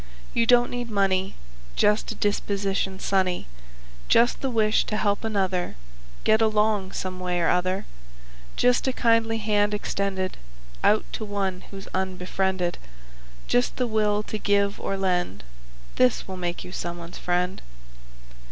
You don't need money; Just a disposition sunny; Just the wish to help another Get along some way or other; Just a kindly hand extended Out to one who's unbefriended; Just the will to give or lend, This will make you someone's friend.